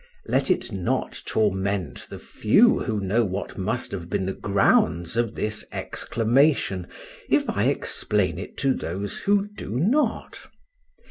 Let it not torment the few who know what must have been the grounds of this exclamation, if I explain it to those who do not.